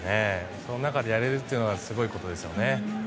その中でやれるというのはすごいことですよね。